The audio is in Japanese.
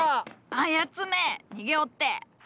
あやつめ逃げおって。